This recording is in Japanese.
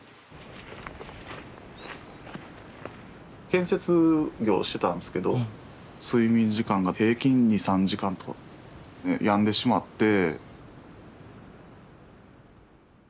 建設業をしてたんですけど睡眠時間が平均２３時間とかで病んでしまって。